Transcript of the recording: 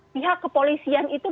pihak kepolisian itu